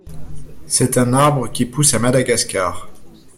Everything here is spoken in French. C'est un arbre qui pousse à Madagascar.